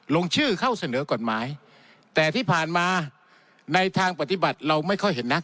ลงชื่อเข้าเสนอกฎหมายแต่ที่ผ่านมาในทางปฏิบัติเราไม่ค่อยเห็นนัก